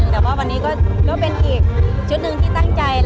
แต่ว่าวันนี้ก็เป็นอีกชุดหนึ่งที่ตั้งใจ